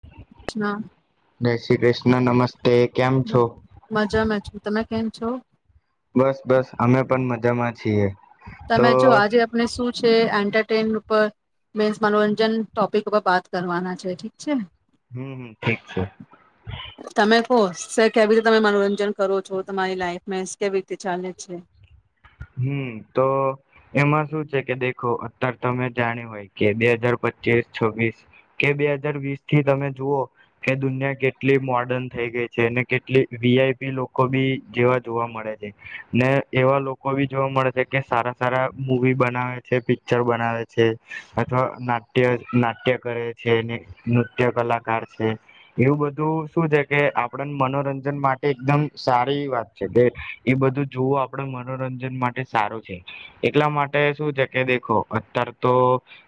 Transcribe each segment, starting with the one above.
[unintelligible] જય શ્રી કૃષ્ણ નમસ્ મજા મે છ તમે? કેમ છો? બસ બસ અમે પણ મજામાં છીએ, તો તમે જો આજે આપણે શું છે એન્ટરટેન ઉપ મેસ મનોરંજન ટોપિક ઉપર બાત કરવાના છે, ઠીક છે, હમ હમ ઠીક છે, હો સર કેવી રીતે તમે મનોરંજન કરો છો, તમારી લાઈફ મે કેવી રીતે ચાલે છે, હમ તો એમાં શું છે, કે દેખો અત્યારે તમે જાણી હોય કે બે હાજાર પચીસ છવ્વીસ કે બે હાજાર વીસ થી તમે જુઓ કે દુનિયા કેટલી મોડન થઈ ગઈ છે, અને કેટલી વીઆઈપી લોકો બી જેવા જોવા મળે છે, ને એવા લોકો લોકો જોવા મળે છે કે સારા સારા મવી બનાવે છે પિક્ચર બનાવે છે, અથવા નાટ્ય નાટ્ય કરે છે, નૃત્ય કલાકાર છે એવું બધું શું છે, કે આપણ મનોરંજન માટે એકદમ સારી વાત છે, કે એ બધું જોવું આપડ મનોરંજન માટે સારું છે, એટલા માટે શું છે કે દેખો અતાર તો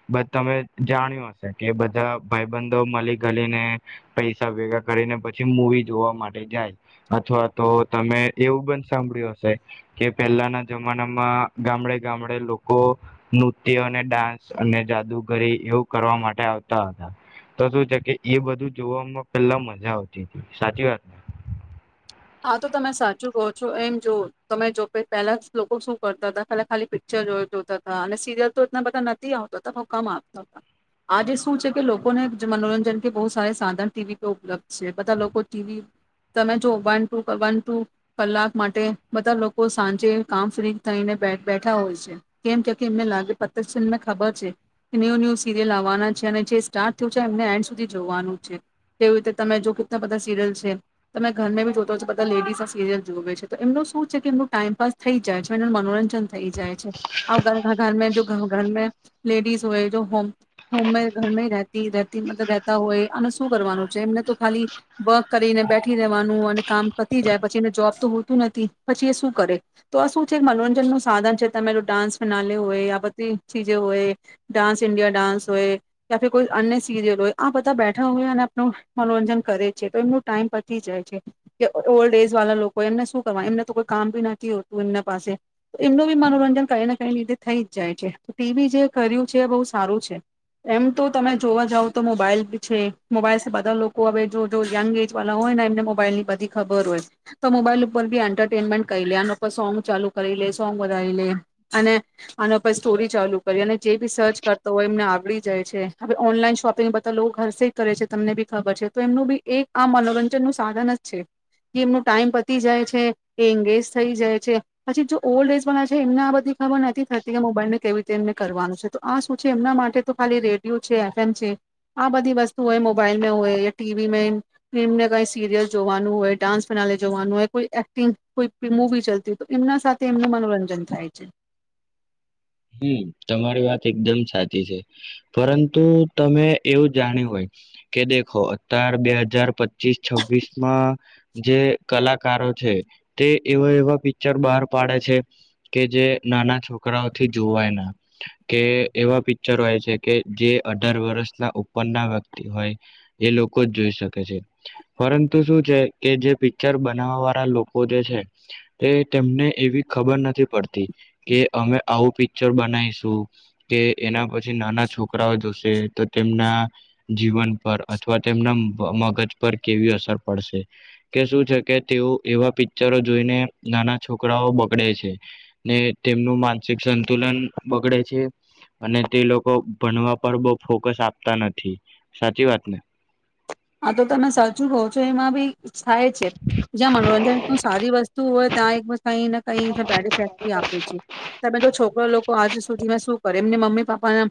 બધા તમે જાણ્યું હશે, કે બધા ભાઈબંધો મળી ગલીને પૈસા ભેગા કરીને પછી મવી જોવા માટે જાય અથવા તો તમે એવું બ સાંભળ્યું હશે કે પહેલાના જમાનામાં ગામડે ગામડે લોકો નૃત્ય અને ડાન્સ અને જાદુગરી એવું કરવા માટે આવતા હતા, તો શું છે કે એ બધું જોવામાં પેલા મજા આવતી હતી, સાચી વાત ને હા તો તમે સાચું કહો છો, એમ જો તમે જો પહેલા લોકો શું કરતા હતા ખા ખાલી પિક્ચર જોતા હતા અને સિરિયલ તો એલા બધા નથી, આવતા હતા બ કમ આવતા હતા આજે શું છે, કે લોકોને મનોરંજન કે બહુ સાર સાધન ટીવી પરે ઉપલબ્ધ છે, બધા લોકો ટીવી તમે જો વન વન ટુ કલાક માટે બધા લોકો સાંજે કામ ફ્રી થઈને બેઠા હોય છે, કેમ કે એમને લાગે પત છેને ખબર છે, ન્યુ ન્યુ સિરિયલ આવવાના છે અને જે સ્ટાર્ટ થયું છે, એમને એન્ડ સુધી જોવાનું છે એવી રીતે તમે જો કેટલા બધા સિરિયલ છે, તમે ઘરને બી જો લેડીઝ આ સિરિયલ જોવે છે, તો એમનું શ છે કે એમ ટાઈમપાસ થઈ જાય છે, એમનું મનોરંજન થઈ જાય છે ઘર ઘર લેડીસ હોય હોમ હોમ ઘરતી રતા હોય અને શું કરવાનું છે, એમને તો ખાલી વર્ક કરીને બેઠી રહેેવાનું. કામ પતી જાય પછી એને જોબ તો હોતું નથી પછી એ શું કરે તો આ શું છે, મનોરંજન નું સાધન છે તમેલું ડાન્સ ફનાલે હોય આ બધી ચીજ હોય ડાન્સ ઇન્ડિયા ડાન્સ હોય, યા કોઈ અન્ય સિરીિયલ હોય આ બધા બેઠા હોય અને આપણું મનોરંજન કરે છે તો એમનો ટાઈમ પતી જાય છે, કે ઓલ્ડ એજ વાળા લોકો એમને શું કરવા એમને તો કોઈ કામ બી નથી હોતું એમના પાસે એમનું બી મનોરંજન કઈ ને કઈ રીધે થઈ જ જાય છે, ટીવી જે કર્યું છે એ બહુ સારું છે, એમ તો તમે જોવા જાવ તો મોબાઈલ બી છે મોબાઈલ બધા લોકો હવે જો જો યંગ એજ વાળા હોય, ને એમને મો મોબાઈલ ની બધી ખબર હોય તો મોબાઈલ ઉપર બી એન્ટરટેનમેન્ટ કરી લે આના સોંગ ચાલુ કરી લે સોંગ બ લે અને આના પર સ્ટોરી ચાલુ કરી જે બી સર્ચ કરતો હોય એમને આવડી જ જાય છે હવે ઓનલાઈન શોપિંગ બધા લોકો ઘરસે કરે છે, તમને બી ખબર છે તો એમનું બી એક આ મનોરંજનનું છે, કે એમનું ટાઈમ પતી જાય છે એ એંગેજ થઈ જાય છે, પછી જો ઓલ્ડ એજના છે એમને આ બધી ખબર નથી થતી કે મોબાઈલને કેવી રીતે એમને કરવાનું છે, તો આ શું છે એમના માટે તો ખાલી રેડિયો છે, એફ એમ છે, આ બધી વસ્તુ હોય મોબાઈલમાં હોય ટીવી મે એમ એમને કઈ સિરિલ જોવાનું હોય ડાન્સ પ્રનાલી જોવાનું હોય કોઈ એક્ટિંગ કોઈ મૂવી ચાલતી હોય તો એમના સાથે એમનું મનોરંજન થાય છે, હમ તમારી વાત એકદમ સાચી છે, પરંતુ તમે એવું જાણ્યું હોય કે દેખો અતાર બે હજાર પચીસ છવ્વીસ માં જે કલાકારો છે, તે એવા એવા પિક્ચર બહાર પાડે છે, કે જે નાના છોકરાઓ વા કે એવા પિક્ચર હોય છે, કે જે અઢાર વર્ષના ઉપરના વ્યક્તિ હોય એ લોકો જ જોઈ શકે છે, પરંતુ શું છે કે જે પિક્ચર બનાવવા વાળા લોકો જે છે, એ તેમને એવી ખબર નથી પડતી કે અમે આવું પિક્ચર બનાવીશું કે એના પછી નાના છોકરાઓ જોશે તો તેમના જીવન પર અથવા તેમના મગજ પર કેવી અસર પડશે કે શું છે, કે તેઓ એવા પિક્ચરો જોઈને નાના છોકરાઓ બગડે છે, ને તેમનુંન સંતુલન બગડે છે, અને તે લોકો ભણવા પર બહ ફોકસ આપતા નથી, સાચી વાત ને હા તો તમે સાચું કહો છો, એમાં ભી થાય છે જ્યાં મનોરંજનનું સારી વસ્તુ હોય ત્યાં એક કઈને કઈ બેડ ઇફેક્ટથી આપે છે, તમે તો છોકરા લોકો આજ સુધીમાં શું કરે, એમને મમ્મી પાને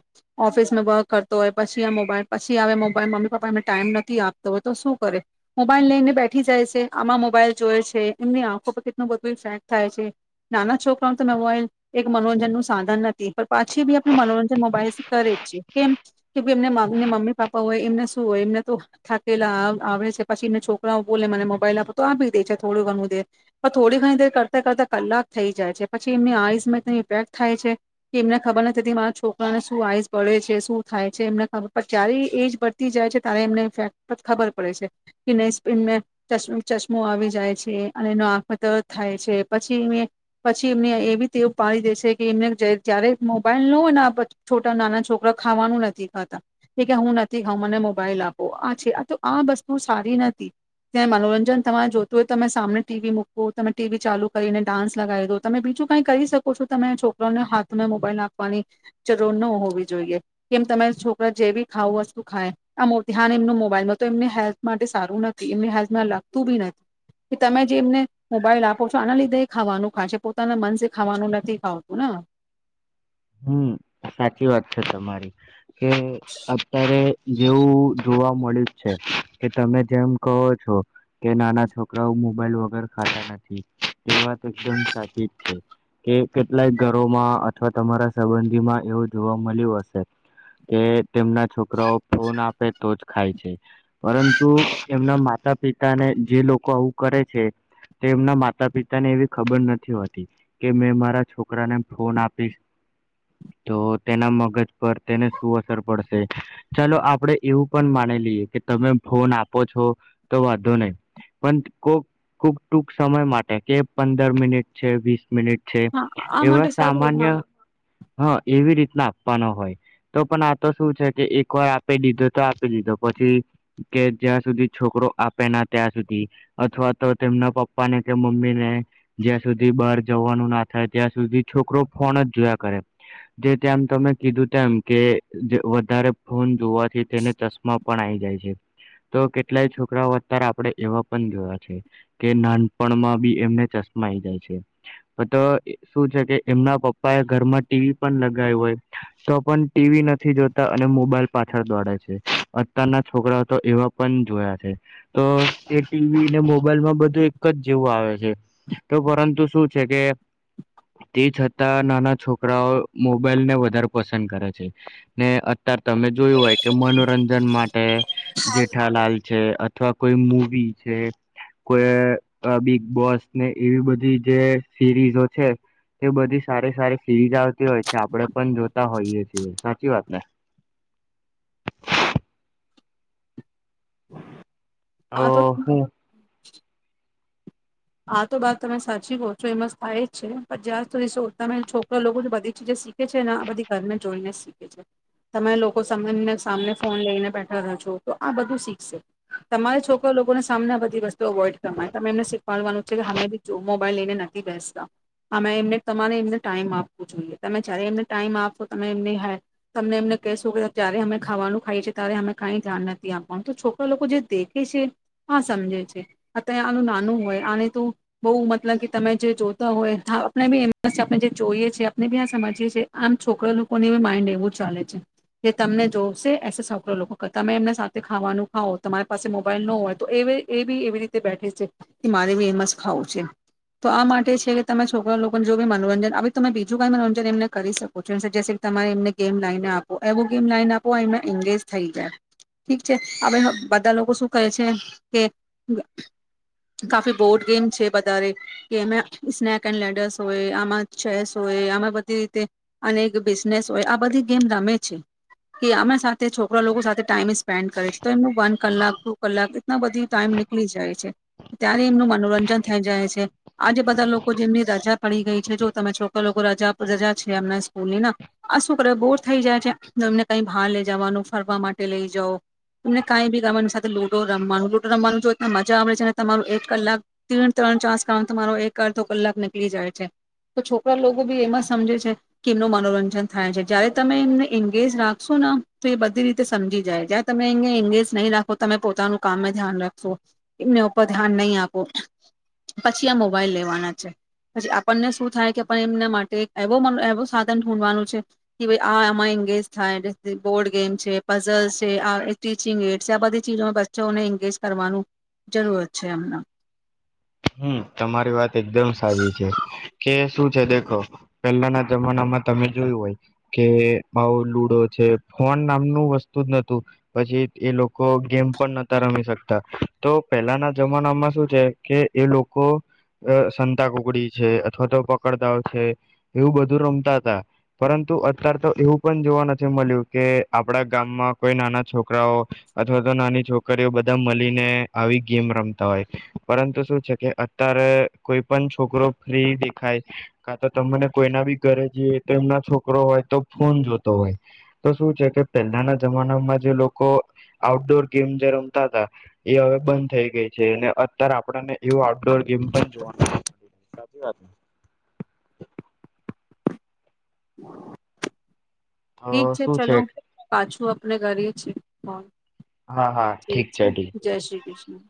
ઓફિસમાં વર્ક કરતો હોય, પછી આ મોબાઈલ પછી આવે મોબાઈલ મમ્મીપા એ ટાઈમ નથી, આપતો હોય તો શું કરે મોબાઈલ લઈને બેઠી જાય છે, આમાં મોબાઈલ જોય છે એમની આંખો પર કેટલું બધું ઇફેક્ટ થાય છે, નાના છોકરાને તો મોબાઈલ એક મનોરંજન નું સાધન નથી પણ પાછી બી આપણે મનોરંજન મોબાઈલ કરે જ છે, કેમ કેમ એમને મમ્મી પાપા હોય એમને શું હોય એમને તો થાકેલા આવે છે પછી એમને છોકરાઓ બોલે મને મોબાઈલ આપો તો આપી દે છે થોડું ઘણું દેર પણ થોડી ઘણી દેર કરતાં કરતાં કલાક થઈ જાય છે પછી એમની આઈઝમાં ઇફેક્ટ થાય છે, કે એમને ખબર નથીતી મારા છોકરાને શું આઈઝ બળે છે શું થાય છે, એમને ખબર પણ જ્યારે એજ બળતી જાય છે, ત્યારે એમને ઇફેક્ટ ખબર પડે છે કે નહી એમને ચશ્મો આવી જાય છે, અને એનો આંખમત થાય છે પછી એ પછી એમને એવી તેવ પાડી દે છે કે એમને જ્યારે મોબાઈલ ના હોય ને છોટા નાના છોકરા ખાવાનું નથી ખાતા એ કે હું નથી, ખાઉં મને મોબાઈલ આપો આ વસ્તુ સારી નથી ત્યા મનોરંજન તમારે જોતું હોય, તો તમે સામને ટીવી મૂક તમે ટીવી ચાલુ કરીને ડાન્સ લગાવી દો તમે બીજું કઈ કરી શકો છો, તમે છોકરાને હાથમાં મોબાઈલ આપખવાની જરૂર ન હોવી જોઈએ, કેમ તમે છોકરા જે બી ખાવું વસ્તુ ખાય આમ ધ્યાન એમનું મો મોબાઈલમાં તો એમને હેલ્થ માટે સારું નથી, એમને હેલ્થમાં લાગતું બી નથી કે તમે જે એમને મોબાઈલ આપો છો આના લીધે ખાવાનું ખા છે, પોતાના મનસે ખાવાનું નથી ખાવતું ને હમ સાચી વાત છે તમારી, કે અત્યારે જેવું જોવા મળ્યું જ છે કે તમે જેમ કહો છો કે નાના છોકરાઓ મોબાઈલ વગર ખાતા નથી એ વાત એકદમ સાચી જ છે કે કેટલાય ઘરોમાં અથવા તમારા સંબંધીમાં એવું જોવા મળ્યું હશે કે તેમના છોકરાઓ ફોન આપે તો જ ખાય છે પરંતુ એમના માતા પિતાને જે લોકો આવું કરે છે તે એમના માતા પિતાને એવી ખબર નથી હોતી કે મેં મારા છોકરાને ફોન આપીશ તો તેના મગજ પર તેને શું અસર પડશે ચાલો આપડે એવું પણ માની લઈએ કે તમે ફોન આપો છો તો વાંધો નહીં પણ કોક કૂક ટૂંક સમય માટે કે પંદર મિનિટ છે વીસ મિનિટ છે હા આ એવા માટે સારું હોય હા સામાન્ય હા એવી રીતના આપવાનો હોય તો પણ આ તો શું છે કે એક વાર આપી દીધો તો આપી દીધો પછી કે જ્યાં સુધી છોકરો આપે ના ત્યાં સુધી અથવા તો તેમના પપ્પા ને કે મમ્મીને જ્યાં સુધી બહાર જવાનું ના થાય ત્યાં સુધી છોકરો ફોન જ જોય જે તેમ તમે કીધું તેમ કે વધારે ફોન જોવાથી તેને ચશ્મા પણ આઈ જાય છે તો કેટલાય છોકરાઓ અત્યારે આપણેે એવા પણ જોયા છે કે નાનપણમાં બી એમને ચશ્મા આઈ જાય છે તો શું છે કે એમના પપ્પા એ ઘરમાં ટીવી પણ લગાયું હોય તો પણ ટીવી નથી જોતા અને મોબાઈલ પાછળ દોડે છે અત્યારના છોકરાઓ તો એવા પણ જોયા છે તો તે ટીવીને મોબાઈલમાં બધું એક જ જેવું આવે છે તો પરંતુ શું છે કે તે છતાં નાના છોકરાઓ મોબાઈલને વધારે પસંદ કરે છે ને અત્યારે તમે જોયું હોય કે મનોરંજન માટે જેઠાલાલ છે અથવા કોઈ મવી છે કોઈ બિગ બોસ ને એવી બધી જે સિરીઝો છે એ બધી સારી સારી ઠીક હોય છે આપણે પણ જોતા હોઈએ છીએ કે વાતને આ તો ઓ હ આ તો બાત તમે સાચી હોહો છો એ મસ્ત એ જ છે પણ જ્યાં સુો તમે છોકરા લોકો બધીીજ શીખે છે ને આ બધી ઘરને જોઈને જ શીખે છે તમે લોકો સાને સામને ફોન લઈને બેઠા રહો છો તો આ બધું શીખશે તમારા છોકરા લોકોને સામને બધી વસ્તુ અવોઈડ કરવાય તમે એમને પણનું છે કે હમે જો બાઈલ લઈને નથી બેસતા અમે એમને તમારે એમને ટાઈમ આપવું જોઈએ તમે જ્યારે એમને ટાઈમ આપશો તમે એમને તમને એમને કહેશો કે જારે અમે ખાવાનું ખાઈએ છીએ ત્યારે અમે કઈ ધ્યાન નથી આપવાનું તો છોકરા લોકો જે દેખે છે આ સમજે છે અત આનું નાનું હોય આને તો બહુ મતલબ કે તમે જે જોતા હોય આપણે બી એમ આપણે જે જોઈએ છીએ આપને બી આ સમજીએ છીએ આમ છોકરા લોકો બી માઇન્ડ એવું ચાલે છે કે તમને જોશે એસે છોકરા લોકો તમે એમને સાથે ખાવાનું ખાાવ તમારી પાસે મોબાઈલ ન હોય તો એ એ બી એવી રીતે બેઠે છે મારે બી એમસ ખાવું છે તો આ માટે છે કે તમે છોકરા લોકોને જો બી મનોરંજન તમે બીજું કઈ મનોરંજન એમને કરી શકો છોરે એમને ગેમ લાઈને આપો એવું ગેમ લાઈને આપો એમને એંગેજ થઈ જાય ઠીક છે હવે બધા લોકો શું કહે છે કે કાફી બોર્ડ ગેમ છે બધારે કે એમે સ્નેક એન્ડ લેડસ હોય આમાં ચેસ હોય આમાં બધી રીતે અને એક બિઝનેસ હોય આ બધી ગેમ રમે છે કે આમે સાથે છોકરા લોકો સાથે ટાઈમ સ્પેન્ડ કરે છે તો એમનું વન કલાક ટુ કલાક ના બધી ટાઈમ નીકળી જાય છે ત્યારે એમનું મનોરંજન થઈ જાય છે આજે બધા લોકો જેમની રજા પડી ગઈ છે જો તમે ચોખ લોકો રજા રજા છે એમના સ્કૂલ ની ના આ શું કર બોર થઈ જાય છે એમને કઈ બહાર લઇ જવાનું ફરવા માટે લઈ જાઓ એમને કાંઈ બી ગામવા એની સાથે લુડો રમવાનું લુડો રમવાનું જો એ મજા આવેે છે તમારું એક કલાક ત્રણ ત્રણ ચસ કારણ તમારો એક અર્ધો કલાક નીકળી જાય છે તો છોકરા લોકો બી એમાં સમજે છે કે એમનું મનોરંજન થાય છે જયારે તમે એમને એંગેજ રાખશો ને તો એ બધી રીતે સમજી જાય જ્યારે તમે એને એંગેજ નહીં રાખો તમે પોતાનું કામ ધ્યાન રાખશો એમને પર ધ્યાન નહીં આપો પછી આ મોબાઈલ લેવાના છે પછી આપણને શું થાય કે આપણ એમના માટે એવો મ એવો સાધન ૂંડવાનું છે કે ભાઈ આ આમાં એંગેજ થાય બોર્ડ ગેમ છે પઝલ છે આ સ્ટીચિંગ એડ છે આ બધી ચીજોમાં બચ્ચોને એંગેજ કરવાનું જરૂર છે એમના હમ તમારી વાત એકદમ સાચી છે કે શું છે દેખો પહેલાના જમાનામાં તમે જોયું હોય કે ભઉ લુડો છે ફોન નામનું વસ્તુ જ નતું પછી એ લોકો ગેમ પણ નતા રમી શકતા તો પહેલાના જમાનામાં શું છે કે એ લોકો સંતાકુગડી છે અથવા તો પકડદાવ છે એવું બધું રમતા હતા પરંતુ અત્ય્યારે તો એવું પણ જોવા નથી મળ્યું કે આપણા ગામમાં કોઈ નાના છોકરાઓ અથવા તો નાની છોકરીઓ બધા મળીને આવી ગેમ રમતા હોય પરંતુ શું કે અત્યારે કોઈ પણ છોકરો ફ્રી દેખાય કા તો તને કોઈના બી ઘરે જઈએ તો એમના છોકરો હોય તો ફોન જોતો હોય તો શું છે કે પહેલાના જમાનામાં જે લોકો આઉટડોર ગેમ જે રમતા હતા એ હવે બંધ થઈ ગઈ છે અને અત્યારે આપણને એવું આઉટડોર ગેમ પણ જોવાનું સાચી વાત ઠીક તો છે શું ચલો પાછું આપને ગાડીએ છે હ હા હા ઠીક છે ઠીક છે શ્રી કૃષ્ણ